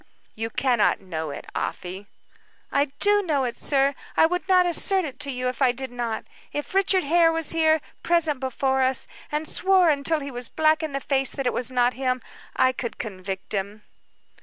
"You cannot know it, Afy." "I do know it, sir; I would not assert it to you if I did not. If Richard Hare was here, present before us, and swore until he was black in the face that it was not him, I could convict him."